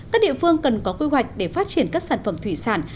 các địa phương cần có quy hoạch để phát triển các sản phẩm thủy sản